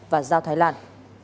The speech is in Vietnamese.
và giao thái lan